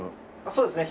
そうですね。